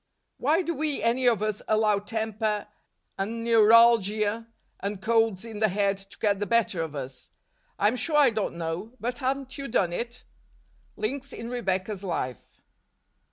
Why do we, any of us, allow temper, and neuralgia, and colds in the head, to get the better of us ? I'm sure I don't know ; but haven't you done it ? Links in Rebecca's Life.